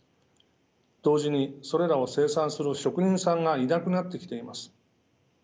同時にそれらを生産する職人さんがいなくなってきています。